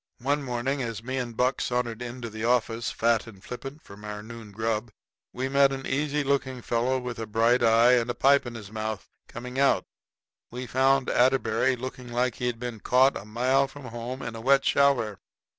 One morning, as me and Buck sauntered into the office, fat and flippant, from our noon grub, we met an easy looking fellow, with a bright eye and a pipe in his mouth, coming out. We found Atterbury looking like he'd been caught a mile from home in a wet shower.